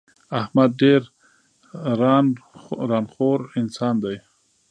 احمد ډېر ًران خور انسان دی.